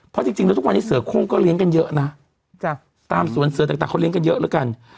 เพราะจริงแล้วทุกวันนี้เสือโค้งก็เลี้ยงกันเยอะนะตามสวนเสือต่างเขาเลี้ยกันเยอะแล้วกัน